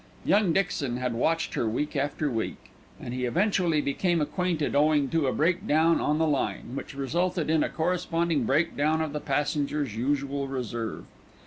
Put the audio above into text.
Young Dixon had watched her week after week, and he eventually became acquainted owing to a breakdown on the line, which resulted in a corresponding breakdown of the passengers' usual reserve.